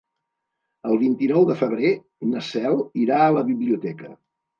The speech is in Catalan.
El vint-i-nou de febrer na Cel irà a la biblioteca.